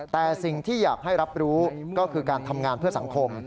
แต่สิ่งที่อยากให้รับรู้ก็คือการทำงานเพื่อสังคม